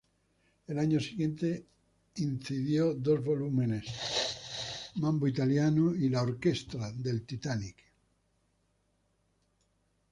El año siguiente incidió dos álbumes: "Mambo italiano" y "L’orchestra del Titanic".